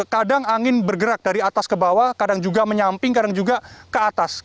kadang angin bergerak dari atas ke bawah kadang juga menyamping kadang juga ke atas